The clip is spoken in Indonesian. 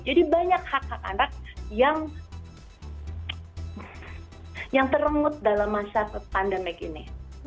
banyak hak hak anak yang terengut dalam masa pandemi ini